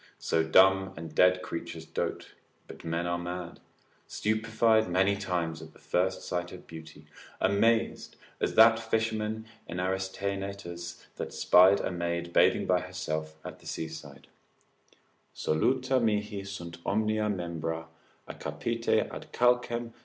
So dumb and dead creatures dote, but men are mad, stupefied many times at the first sight of beauty, amazed, as that fisherman in Aristaenetus that spied a maid bathing herself by the seaside, Soluta mihi sunt omnia membra— A capite ad calcem.